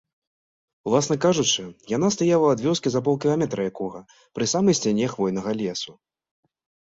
Уласна кажучы, яна стаяла ад вёскі за паўкіламетра якога, пры самай сцяне хвойнага лесу.